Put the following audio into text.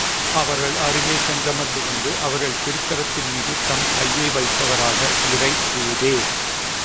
அவர்களருகே சென்றமர்ந்து கொண்டு, அவர்கள் திருக் கரத்தின் மீது தம் கையை வைத்தவராக இறை தூதே!